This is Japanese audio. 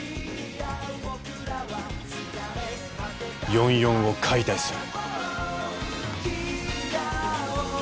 ４４を解体する。